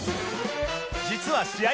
実は試合